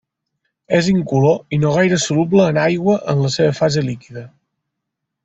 És incolor i no gaire soluble en aigua en la seva fase líquida.